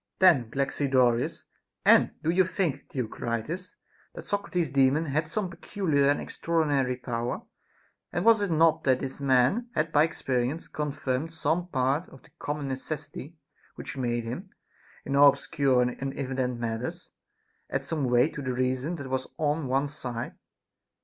11. Then Galaxidorus : And do you think, Theocritus, that Socrates's Daemon had some peculiar and extraordi nary power % And was it not that this man had by experi ence confirmed some part of the common necessity which made him, in all obscure and inevident matters, add some weight to the reason that was on one side